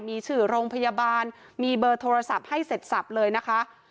มีชื่อโรงพยาบาลมีเบอร์โทรศัพท์ให้เสร็จสับเลยนะคะ